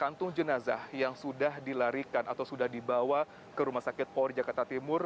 kantung jenazah yang sudah dilarikan atau sudah dibawa ke rumah sakit polri jakarta timur